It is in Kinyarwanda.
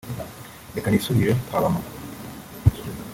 reka nisubirire kwa ba mama